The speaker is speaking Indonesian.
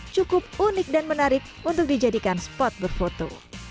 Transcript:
cukup unik dan menarik untuk dijadikan spot berfoto